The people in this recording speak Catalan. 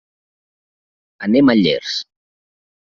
Anem a Llers.